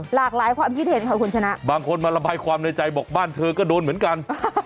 หลากหลายความคิดเห็นค่ะคุณชนะบางคนมาระบายความในใจบอกบ้านเธอก็โดนเหมือนกัน